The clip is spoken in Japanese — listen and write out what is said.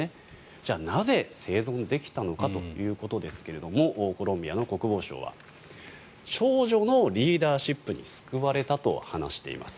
じゃあ、なぜ生存できたのかということですがコロンビアの国防相は長女のリーダーシップに救われたと話しています。